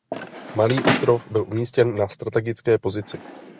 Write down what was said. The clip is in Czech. Malý ostrov byl umístěn na strategické pozici.